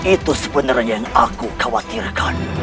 itu sebenarnya yang aku khawatirkan